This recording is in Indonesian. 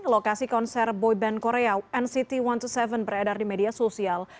lokasi konser boyband korea nct satu ratus dua puluh tujuh beredar di media sosial